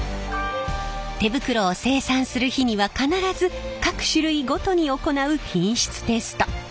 手袋を生産する日には必ず各種類ごとに行う品質テスト。